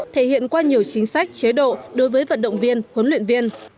thể hiện qua nhiều chính sách chế độ đối với vận động viên huấn luyện viên